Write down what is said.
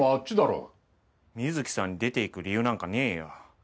美月さんに出て行く理由なんかねえよ。